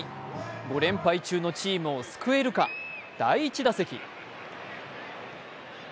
５連敗中のチームを救えるか、第１打席。